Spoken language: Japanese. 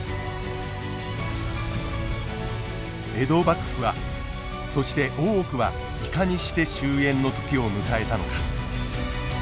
江戸幕府はそして大奥はいかにして終えんの時を迎えたのか。